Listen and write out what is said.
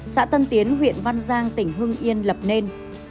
xã tân tiến huyện văn giang tỉnh hưng yên lập nên